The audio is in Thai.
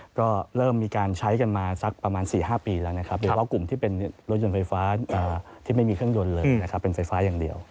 ก็เริ่มมีการใช้กันมาสักประมาณ๔๕ปีแล้วนะครับโดยเฉพาะกลุ่มที่เป็นรถยนต์ไฟฟ้าที่ไม่มีเครื่องยนต์เลยนะครับเป็นไฟฟ้าอย่างเดียว